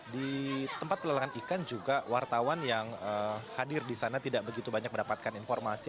di tempat pelelangan ikan juga wartawan yang hadir di sana tidak begitu banyak mendapatkan informasi